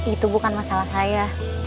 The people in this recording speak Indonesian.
itu bukan masalah saya